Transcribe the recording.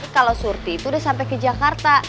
kalau surti itu udah sampai ke jakarta